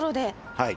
はい。